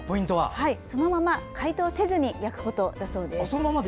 そのまま解凍せずに焼くことだそうです。